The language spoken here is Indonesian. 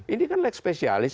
ini kan lex specialis